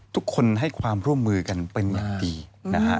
ทุกคนให้ความร่วมมือกันเป็นอย่างดีนะฮะ